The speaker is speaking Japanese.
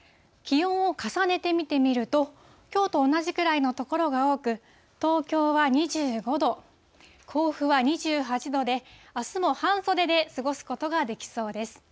気温を重ねて見てみると、きょうと同じくらいの所が多く、東京は２５度、甲府は２８度で、あすも半袖で過ごすことができそうです。